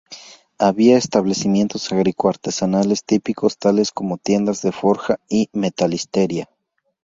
Había establecimientos agrícola-artesanales típicos, tales como tiendas de forja y metalistería.